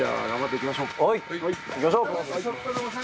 いきましょう。